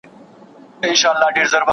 موږ ته په کار ده چي نړۍ ته خوشحالي ورکړو.